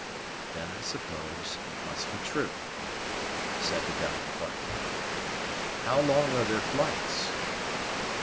"Then I suppose it must be true," said the guide quietly. "How long are their flights?"